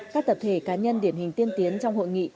các tập thể cá nhân điển hình tiên tiến trong hội nghị